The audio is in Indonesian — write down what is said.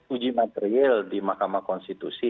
uji materiel di makamu konstitusi